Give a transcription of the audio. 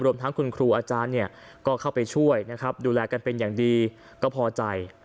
รวมทั้งคุณครูอาจารย์เนี่ยก็เข้าไปช่วยนะครับดูแลกันเป็นอย่างดีก็พอใจ